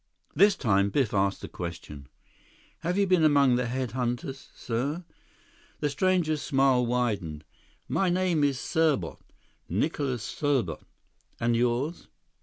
This time, Biff asked a question. "Have you been among the head hunters, sir?" The stranger's smile widened. "My name is Serbot, Nicholas Serbot. And yours?"